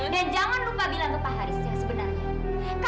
dan jangan lupa bilang ke pak haris yang sebenarnya